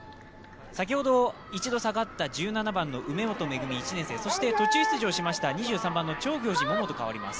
先ほど一度下がった１７番の梅本恵そして途中出場しました２３番の長行司百杏と代わります。